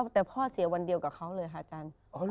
แต่พ่อเสียวันเดียวกับเขาเลยฮาจันทร์